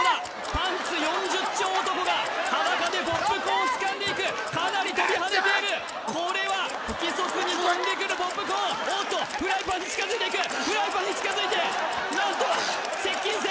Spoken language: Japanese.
パンツ４０丁男が裸でポップコーンをつかんでいくかなり飛び跳ねているこれは不規則に飛んでくるポップコーンおおっとフライパンに近づいていくフライパンに近づいて何と接近戦